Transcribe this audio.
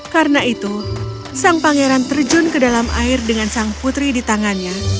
karena itu sang pangeran terjun ke dalam air dengan sang putri di tangannya